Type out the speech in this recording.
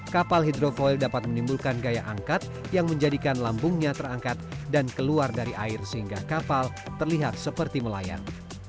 kapal hidrofoil dapat menimbulkan gaya angkat yang menjadikan lambungnya terangkat dan keluar dari air sehingga kapal terlihat seperti melayang